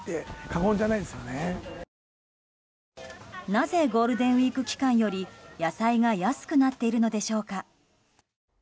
なぜゴールデンウィーク期間より野菜が安くなっているのでしょうか。